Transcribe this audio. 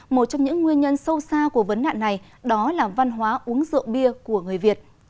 một trong những nguyên nhân sâu xa của vấn nạn này đó là văn hóa uống rượu bia của người việt